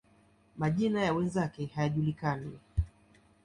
Majina ya wenzake hayajulikani.